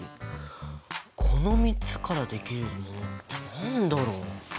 この３つからできるものって何だろう？